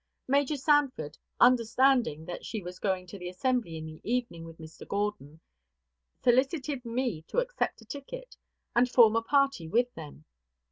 Major Sanford, understanding that she was going to the assembly in the evening with Mr. Gordon, solicited me to accept a ticket, and form a party with them.